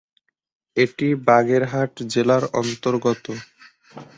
এটি বাগেরহাট জেলার অন্তর্গত।